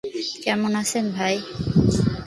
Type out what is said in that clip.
কেমন আছেন ভাই?